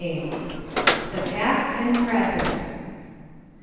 THE PAST AND PBESENT.